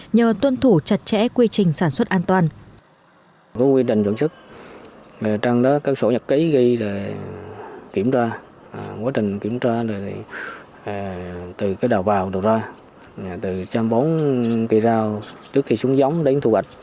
nhờ tuân thủ chặt chẽ quy trình sản xuất an toàn